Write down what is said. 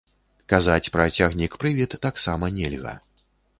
Казаць пра цягнік-прывід таксама нельга.